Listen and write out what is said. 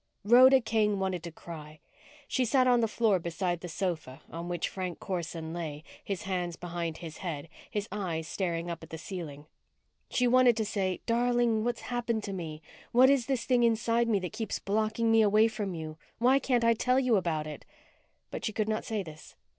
Rhoda Kane wanted to cry. She sat on the floor beside the sofa on which Frank Corson lay, his hands behind his head, his eyes staring up at the ceiling. She wanted to say, _Darling, what's happened to me? What is this thing inside me that keeps blocking me away from you? Why can't I tell you about it?_ But she could not say this.